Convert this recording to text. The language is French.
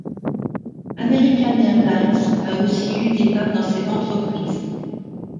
American Airlines a aussi eu des parts dans cette entreprise.